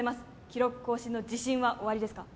記録更新の自信はおありですか？